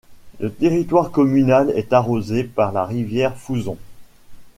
Le territoire communal est arrosé par la rivière Fouzon.